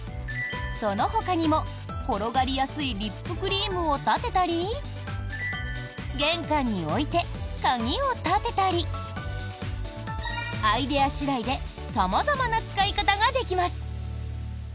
そのほかにも転がりやすいリップクリームを立てたり玄関に置いて鍵を立てたりアイデア次第で様々な使い方ができます。